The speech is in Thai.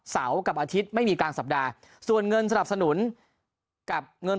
เสาร์กับอาทิตย์ไม่มีกลางสัปดาห์ส่วนเงินสนับสนุนกับเงิน